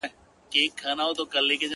خداى دي ساته له بــېـلــتــــونـــــه ـ